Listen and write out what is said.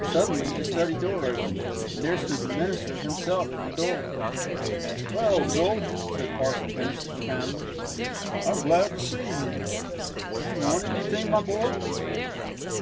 Suddenly the study door opened, and there stood the minister himself in the doorway. "Well, Joel," said Parson Henderson, kindly, "I'm glad to see you. Do you want anything, my boy?"